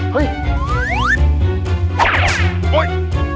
เฮ้ย